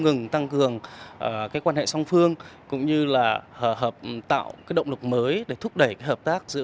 ngừng tăng cường quan hệ song phương cũng như là hợp tạo động lực mới để thúc đẩy hợp tác giữa